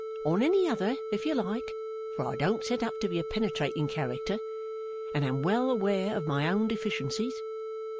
On any other, if you like, for I don't set up to be a penetrating character, and am well aware of my own deficiencies.